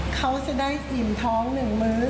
เขาจะได้กินท้องหนึ่งมื้อ